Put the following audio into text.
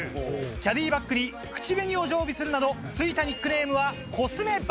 キャディーバッグに口紅を常備するなど付いたニックネームは。